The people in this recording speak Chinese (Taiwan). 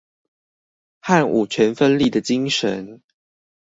和五權分立的精神